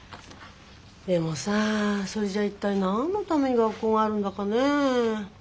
でもさあそれじゃ一体何のために学校があるんだかねえ。